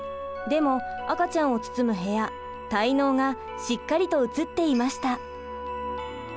でも赤ちゃんを包む部屋胎のうがしっかりと映っていました。